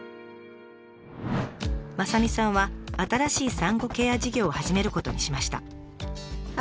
雅美さんは新しい産後ケア事業を始めることにしました。